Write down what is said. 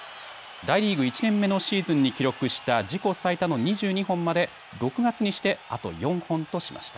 大リーグ１年目のシーズンに記録した自己最多の２２本まで６月にしてあと４本としました。